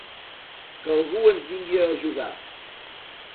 Que algú ens vingui a ajudar!